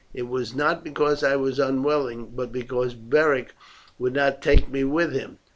It was not because I was unwilling, but because Beric would not take me with him.